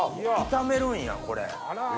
炒めるんやこれ。